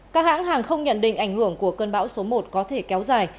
các hãng hàng không nhận định ảnh hưởng của cơn bão số một có thể kéo dài